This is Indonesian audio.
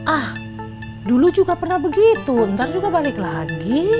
ah dulu juga pernah begitu ntar juga balik lagi